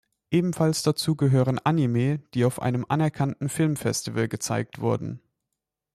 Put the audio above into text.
Ebenfalls dazu gehören Anime die auf einem anerkannten Filmfestival gezeigt wurden.